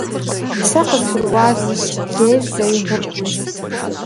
Сэ къызгурыӀуар зыщ: лейр зэи гъуркъым.